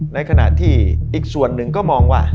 ในขณะที่อีกส่วนหนึ่งก็มองว่า